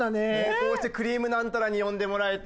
こうして『くりぃむナンタラ』に呼んでもらえて。